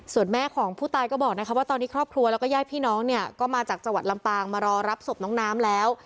ส่วนแม่ของผู้ตายก็บอกนะคะว่าตอนนี้ครอบครัวแล้วก็ญาติพี่น้องเนี่ยก็มาจากจังหวัดลำปางมารอรับศพน้องน้ำแล้ว